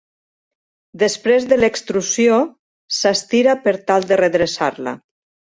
Després de l'extrusió, s'estira per tal de redreçar-la.